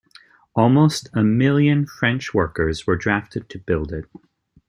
Almost a million French workers were drafted to build it.